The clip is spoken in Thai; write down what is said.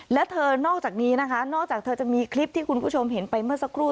และเธอนอกจากนี้นะคะนอกจากเธอจะมีคลิปที่คุณผู้ชมเห็นไปเมื่อสักครู่